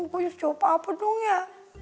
gue jawab apa dong ya